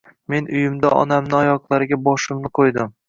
Men uyimda onamni oyoqlariga boshimni qoydim